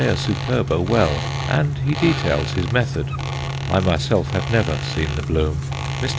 superba_ well, and he details his method. I myself have never seen the bloom. Mr.